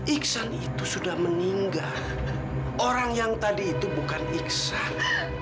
iksan itu sudah meninggal orang yang tadi itu bukan iksan